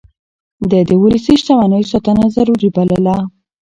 ده د ولسي شتمنيو ساتنه ضروري بلله.